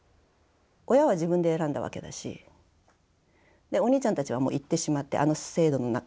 親は自分で選んだわけだしお兄ちゃんたちはもう行ってしまってあの制度の中